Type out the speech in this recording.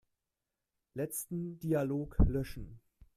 Letzten Dialog löschen.